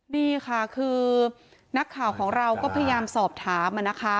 นี่ค่ะคือนักข่าวของเราก็พยายามสอบถามนะคะ